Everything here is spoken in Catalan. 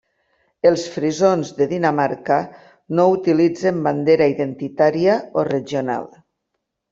Els frisons de Dinamarca no utilitzen bandera identitària o regional.